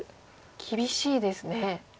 厳しいですね。